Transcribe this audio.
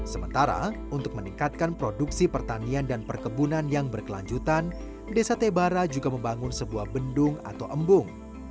sementara untuk meningkatkan produksi pertanian dan perkebunan yang berkelanjutan desa tebara juga membangun sebuah bendung atau embung